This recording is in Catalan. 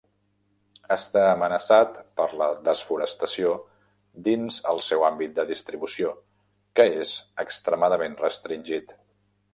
Està amenaçat per la desforestació dins el seu àmbit de distribució, que és extremament restringit.